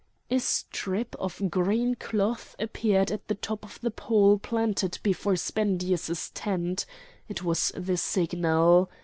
A strip of green cloth appeared at the top of the pole planted before Spendius's tent: it was the signal.